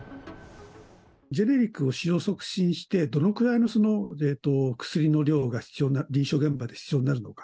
ジェネリックを使用促進して、どのくらいの薬の量が臨床現場で必要になるのか。